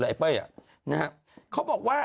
ไอ้เป้ยอ่ะนะครับเขาบอกว่า